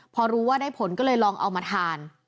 พอรู้ว่าได้ผลก็เลยลองเอามาทาน